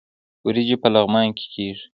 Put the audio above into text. وریجې په لغمان کې کیږي